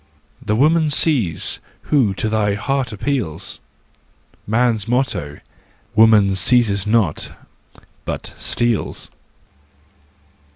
ts The woman seize, who to thy heart appeals ! Man's motto : woman seizes not, but steals.